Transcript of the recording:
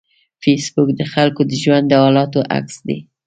فېسبوک د خلکو د ژوند د حالاتو عکس دی